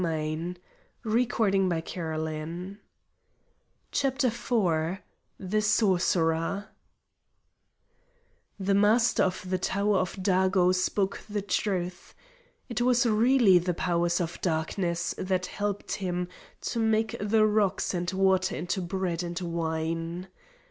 CHAPTER IV The Sorcerer The Master of the Tower of Dago spoke the truth. It was really the powers of Darkness that helped him to make the rocks and water into bread and wine.